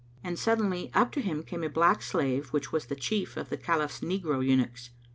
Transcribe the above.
And suddenly up to him came a black slave which was the chief of the Caliph's negro eunuchs.